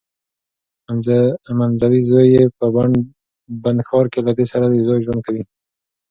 منځوی زوی یې په بن ښار کې له دې سره یوځای ژوند کوي.